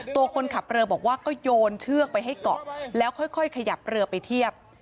ตัวคนขับเรือบอกว่าก็โยนเชือกไปให้เกาะแล้วค่อยขยับเรือไปเทียบ